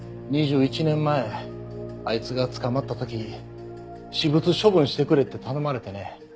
２１年前あいつが捕まった時私物処分してくれって頼まれてね。